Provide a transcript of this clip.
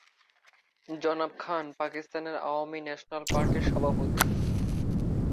জনাব খান পাকিস্তানের আওয়ামী ন্যাশনাল পার্টির সভাপতি।